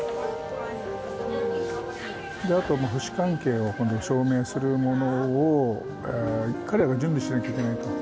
あとは父子関係を証明するものを彼らが準備しなきゃいけないと。